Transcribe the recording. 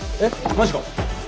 マジか。